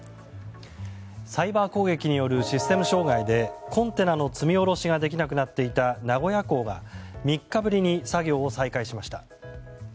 サイバー攻撃によるシステム障害でコンテナの積み下ろしができなくなっていた名古屋港が３日ぶりに作業を再開しました。